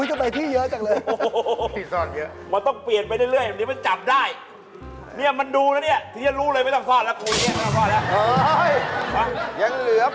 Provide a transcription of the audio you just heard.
เอาอีกแล้ว